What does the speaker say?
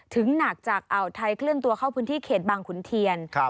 หนักจากอ่าวไทยเคลื่อนตัวเข้าพื้นที่เขตบางขุนเทียน